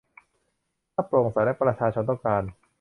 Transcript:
ถ้าโปร่งใสและประชาชนต้องการ